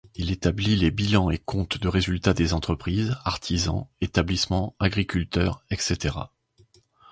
Il établit les bilans et comptes de résultats des entreprises, artisans, établissements, agriculteurs, etc.